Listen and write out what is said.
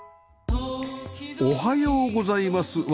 おはようございます。